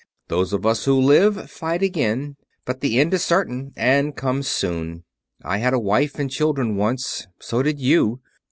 Those of us who live fight again; but the end is certain and comes soon. I had a wife and children once. So did you.